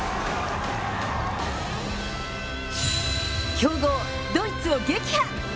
強豪ドイツを撃破。